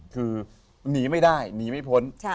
คือหนีไม่ได้หนีไม่พ้น